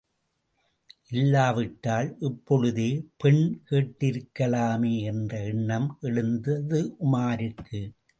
இல்லாவிட்டால், இப்பொழுதே பெண் கேட்டிருக்கலாமே என்ற எண்ணம் எழுந்தது உமாருக்கு.